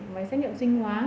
máy xét nghiệm sinh hóa tự động